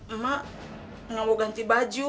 emak enggak mau ganti baju